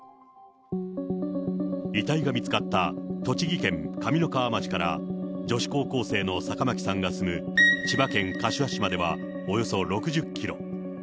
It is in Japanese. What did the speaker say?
遺体が見つかった栃木県上三川町から女子高校生の坂巻さんが住む千葉県柏市まではおよそ６０キロ。